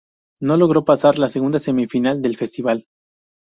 No logró pasar la segunda semifinal del festival.